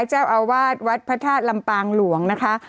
เจ้าอาวาสวัดพระธาตุลำปางหลวงนะคะ